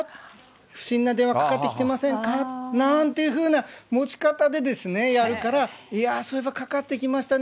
不審な電話かかってきませんか、なんてもちかたでですね、やるから、いやー、そういえばかかってきましたね。